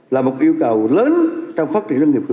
là một yêu cầu lớn trong phát triển nông nghiệp hữu cơ